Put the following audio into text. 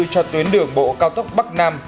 cho tuyến đường bộ cao tốc bắc nam